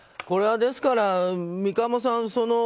これは、ですから三鴨さん